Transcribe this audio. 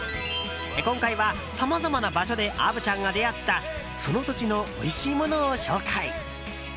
今回はさまざまな場所で虻ちゃんが出会ったその土地のおいしいものを紹介。